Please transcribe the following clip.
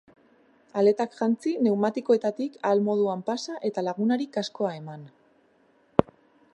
Aletak jantzi, pneumatikoetatik ahal moduan pasa eta lagunari kaskoa eman.